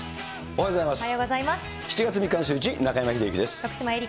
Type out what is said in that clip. おはようございます。